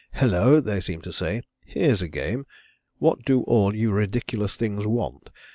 'Hulloa!' they seem to say, 'here's a game what do all you ridiculous things want?'